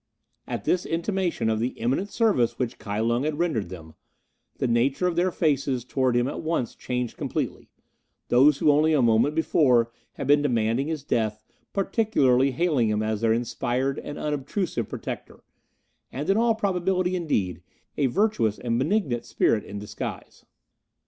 At this intimation of the eminent service which Kai Lung had rendered them, the nature of their faces towards him at once changed completely, those who only a moment before had been demanding his death particularly hailing him as their inspired and unobtrusive protector, and in all probability, indeed, a virtuous and benignant spirit in disguise.